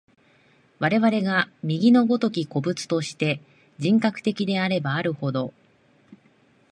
我々が右の如き個物として、人格的であればあるほど、